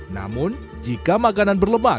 namun jika makanan berlebihan